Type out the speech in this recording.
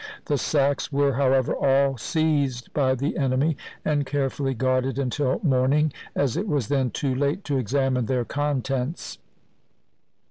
The sacks were, however, all seized by the enemy, and carefully guarded until morning, as it was then too late to examine their contents.